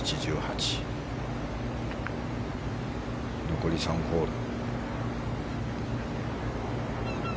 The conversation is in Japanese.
残り３ホール。